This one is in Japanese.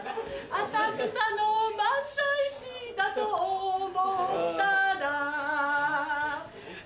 浅草の漫才師だと思ったら